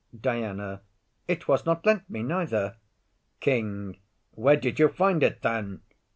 DIANA. It was not lent me neither. KING. Where did you find it then?